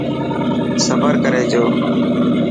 صبر ڪري جو.